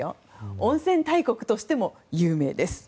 温泉大国としても有名です。